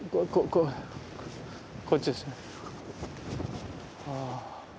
こっちですね。